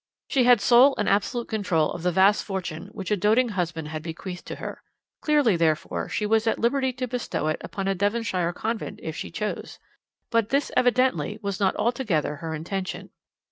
"She had sole and absolute control of the vast fortune which a doting husband had bequeathed to her. Clearly, therefore, she was at liberty to bestow it upon a Devonshire convent if she chose. But this evidently was not altogether her intention.